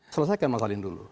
selesaikan masalah ini dulu